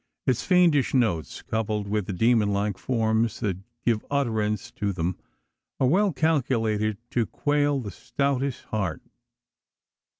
Its fiendish notes, coupled with the demon like forms that give utterance, to them, are well calculated to quail the stoutest heart.